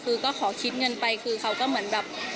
คือก็ขอคิดเงินไปคือเขาก็เหมือนแบบ